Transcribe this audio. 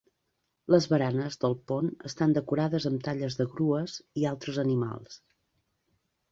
Les baranes del pont estan decorades amb talles de grues i altres animals.